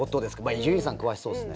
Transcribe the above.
伊集院さん詳しそうですね。